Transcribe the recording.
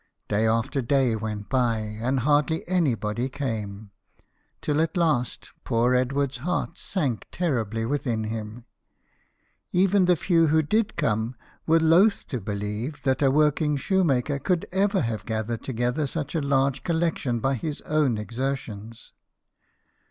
Day after day went by, and hardly anybody came, till at last poor Edward's heart sank ter ribly within him. Even the few who did come were loth to believe that a working shoemaker could ever have gathered together such a large collection by his own exertions.